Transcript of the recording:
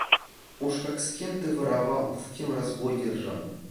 Уж как с кем ты воровал, с кем разбой держал